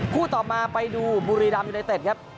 คู่ต่อมาไปดูบุรีดำอยู่ในเต็ดครับ